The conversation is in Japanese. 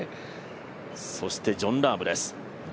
そしてジョン・ラームです。